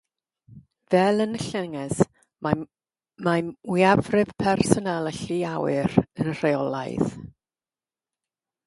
Fel yn y Llynges, mae mwyafrif y personél y Llu Awyr yn rheolaidd.